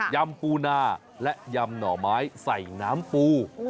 ำปูนาและยำหน่อไม้ใส่น้ำปู